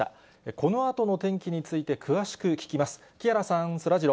このあとの天気について、詳しく聞きます。